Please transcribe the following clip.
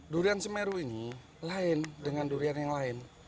durian semeru ini lain dengan durian yang lain